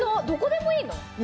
どこでもいいの！？